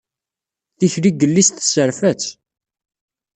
Tikli n yelli-s tesserfa-tt.